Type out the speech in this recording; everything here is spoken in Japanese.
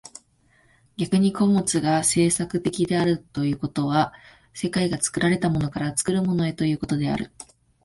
逆に個物が製作的であるということは、世界が作られたものから作るものへということである。